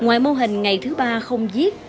ngoài mô hình ngày thứ ba không giết